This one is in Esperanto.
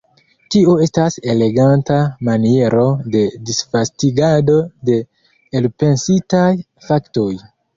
Tio estas eleganta maniero de disvastigado de elpensitaj faktoj.